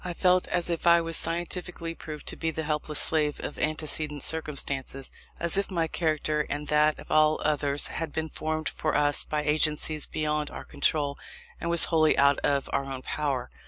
I felt as if I was scientifically proved to be the helpless slave of antecedent circumstances; as if my character and that of all others had been formed for us by agencies beyond our control, and was wholly out of our own power.